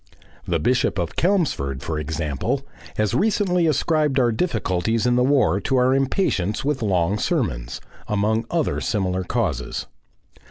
The Bishop of Chelmsford, for example, has recently ascribed our difficulties in the war to our impatience with long sermons among other similar causes.